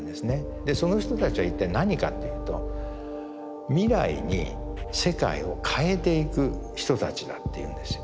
でその人たちは一体何かというと未来に世界を変えていく人たちだっていうんですよ。